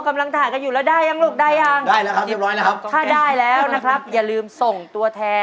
อ่าถ่ายดองแดงอะ